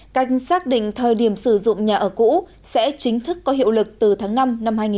cách xác định thời điểm sử dụng nhà ở cũ sẽ chính thức có hiệu lực từ tháng năm năm hai nghìn hai mươi